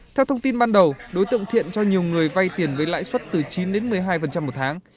theo thông tin ban đầu đối tượng thiện cho nhiều người vay tiền với lãi suất từ chín một mươi hai một tháng